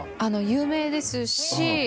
有名ですし。